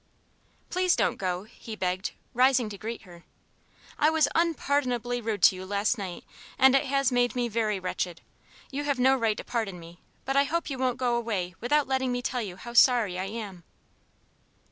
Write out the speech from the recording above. "Please don't go," he begged, rising to greet her. "I was unpardonably rude to you last night and it has made me very wretched. You have no right to pardon me, but I hope you won't go away without letting me tell you how sorry I am."